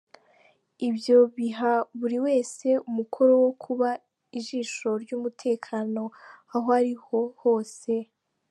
Ibyo biha buri wese umukoro wo kuba ijisho ry’umutekano aho ari hose.